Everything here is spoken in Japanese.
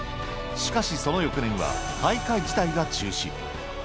しかしその翌年は、大会自体が中止。